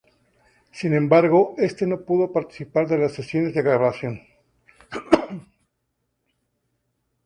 Sin embargo, este no pudo participar de las sesiones de grabación.